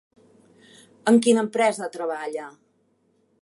En quina empresa treballa?